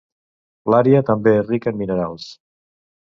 L'àrea també és rica en minerals.